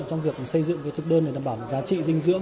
trong việc xây dựng thực đơn để đảm bảo giá trị dinh dưỡng